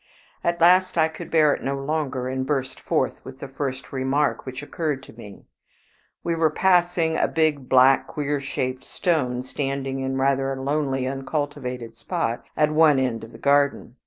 At last I could bear it no longer, and burst forth with the first remark which occurred to me. We were passing a big, black, queer shaped stone standing in rather a lonely uncultivated spot at one end of the garden.